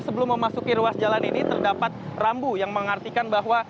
sebelum memasuki ruas jalan ini terdapat rambu yang mengartikan bahwa